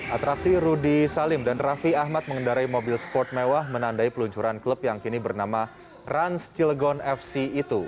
atraksi rudy salim dan raffi ahmad mengendarai mobil sport mewah menandai peluncuran klub yang kini bernama rans cilegon fc itu